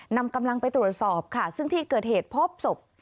นำกำลังไปตรวจสอบค่ะซึ่งที่เกิดเหตุพบศพ